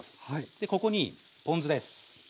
でここにポン酢です。